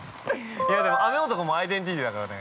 でも、雨男もアイデンティティーだからね。